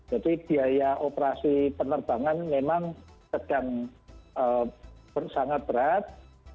biaya operasi penerbangan memang sedang sangat berat